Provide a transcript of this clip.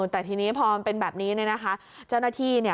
แต่ทีนี้พอมันเป็นแบบนี้เนี่ยนะคะเจ้าหน้าที่เนี่ย